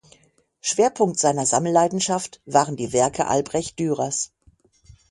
Schwerpunkt seiner Sammelleidenschaft waren die Werke Albrecht Dürers.